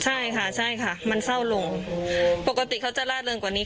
ใช่ค่ะใช่ค่ะมันเศร้าลงปกติเขาจะล่าเริงกว่านี้